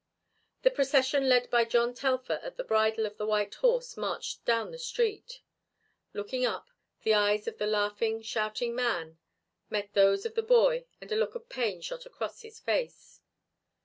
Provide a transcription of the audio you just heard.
The procession led by John Telfer at the bridle of the white horse marched down the street. Looking up, the eyes of the laughing, shouting man met those of the boy and a look of pain shot across his face.